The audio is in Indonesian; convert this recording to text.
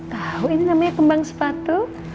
tahu ini namanya kembang sepatu